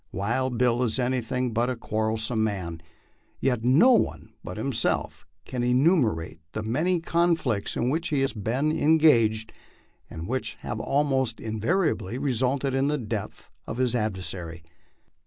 Wild Bill " is anything but a quarrelsome man ; yet no one but him self can enumerate the many conflicts in which he has been engaged, and which have almost invariably resulted in the death of his adversary.